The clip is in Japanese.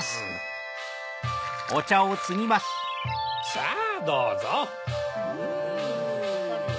さぁどうぞ。